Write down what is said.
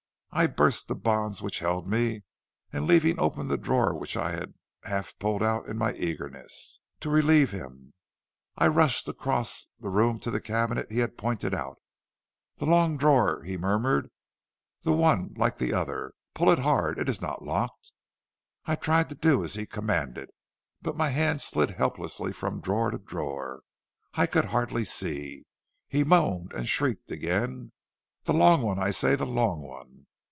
}{ I burst the bonds which held me, and leaving open }{ the drawer which I had half pulled out in my eagerness }{ to relieve him, I rushed across the room to the }{ cabinet he had pointed out. }{}{ "'The long drawer,' he murmured, 'the one }{ like the other. Pull it hard; it is not locked!' }{}{ "I tried to do as he commanded, but my hand }{ slid helplessly from drawer to drawer. I could }{ hardly see. He moaned and shrieked again. }{}{ "'The long one, I say, the long one!'